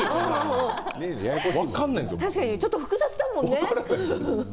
ちょっと複雑だもんね。